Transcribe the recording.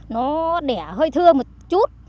nó đẻ hơi thưa một chút